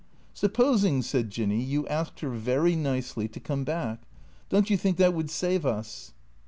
" Supposing," said Jinny, " you asked her, very nicely, to come back — don't you think that would save us